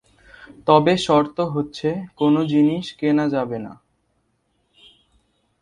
তবে শর্ত হচ্ছে কোন জিনিস কেনা যাবে না।